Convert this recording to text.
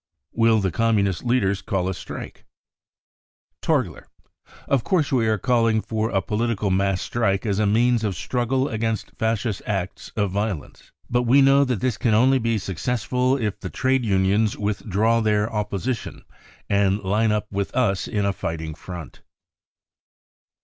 9 46 4 Will the Communist leaders call a strike ? 5 44 Torgler : 4 Of course we are calling for a political mass strike as a means of struggle against Fascist acts of violence. But we know that this can only be successful if the trade unions withdraw their opposition and line up with us in a fighting front.